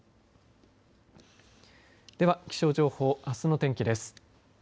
では気象情報、明日の天気です。